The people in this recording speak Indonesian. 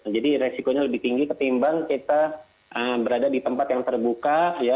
jadi risikonya lebih tinggi ketimbang kita berada di tempat yang terbuka ya